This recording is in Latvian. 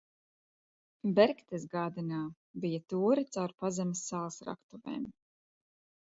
Bergtesgādenā bija tūre caur pazemes sāls raktuvēm.